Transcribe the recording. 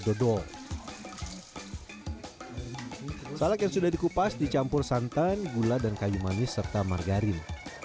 dodol salak yang sudah dikupas dicampur santan gula dan kayu manis serta margarin